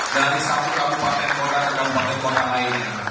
dari satu kabupaten kota dan kabupaten kota lainnya